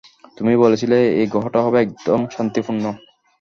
তুমি বলেছিলে এই গ্রহটা হবে একদম শান্তিপূর্ণ।